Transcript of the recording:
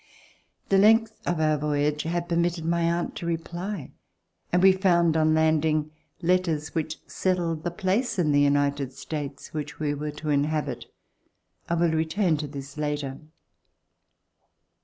The length of our voyage had permitted my aunt to reply, and we found, on landing, letters which settled the place In the United States which we were to inhabit. I will return to this later.